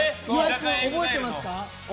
君、覚えてますか？